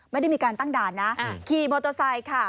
ไม่ได้มีการตั้งด่านนะขี่มอเตอร์ไซค์ค่ะ